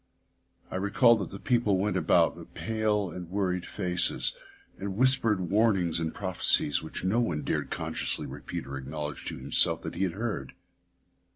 I recall that the people went about with pale and worried faces, and whispered warnings and prophecies which no one dared consciously repeat or acknowledge to himself that he had heard.